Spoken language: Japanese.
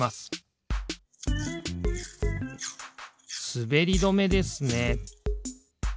すべりどめですね。